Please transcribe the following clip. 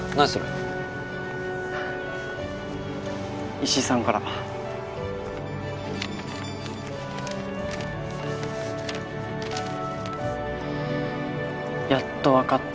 石井さんから。やっとわかった。